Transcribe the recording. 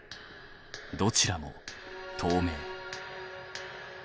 どちらも透明。